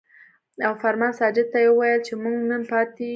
او فرمان ساجد ته يې وويل چې مونږ نن پاتې يو ـ